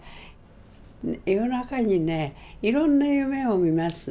夜中にねいろんな夢を見ます。